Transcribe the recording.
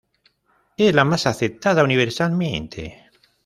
Es la más aceptada universalmente.